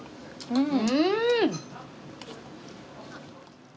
うん！